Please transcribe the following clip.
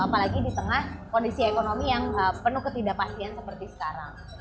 apalagi di tengah kondisi ekonomi yang penuh ketidakpastian seperti sekarang